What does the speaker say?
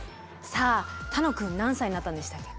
さあ楽くん何歳になったんでしたっけ？